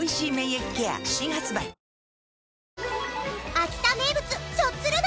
秋田名物しょっつる鍋